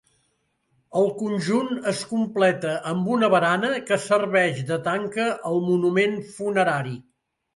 El conjunt es completa amb una barana que serveix de tanca al monument funerari.